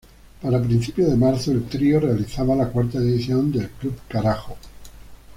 Para principios de marzo, el trío realiza la cuarta edición del Club Carajo.